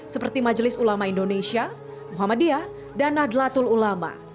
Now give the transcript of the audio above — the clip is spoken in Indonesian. seperti majelis ulama indonesia muhammadiyah dan nahdlatul ulama